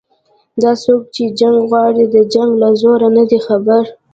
دا څوک چې جنګ غواړي د جنګ له زوره نه دي خبر